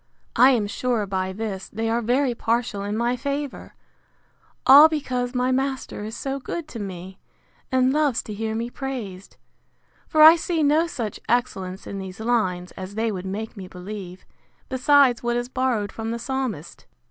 I am sure, by this, they are very partial in my favour; all because my master is so good to me, and loves to hear me praised; for I see no such excellence in these lines, as they would make me believe, besides what is borrowed from the Psalmist.